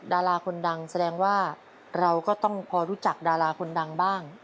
ดาราคนดังแสดงว่าเราก็ต้องพอรู้จักดาราคนดังบ้าง